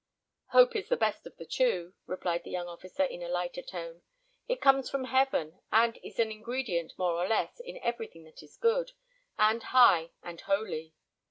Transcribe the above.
"Hope is the best of the two," replied the young officer, in a lighter tone. "It comes from heaven, and is an ingredient, more or less, in everything that is good, and high, and holy.